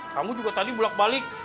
kamu juga tadi bulat balik